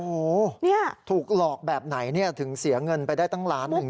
โอ้โหถูกหลอกแบบไหนถึงเสียเงินไปได้ตั้งล้านหนึ่ง